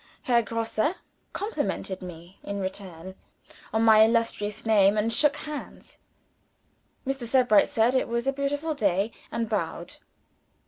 Herr Grosse complimented me in return on my illustrious name, and shook hands. Mr. Sebright said it was a beautiful day, and bowed.